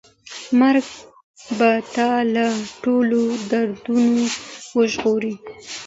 مرګ به تا له ټولو دردونو وژغوري.